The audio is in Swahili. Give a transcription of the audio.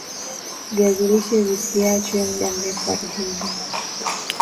viazi lishe visiachwe mda mrefu ardhini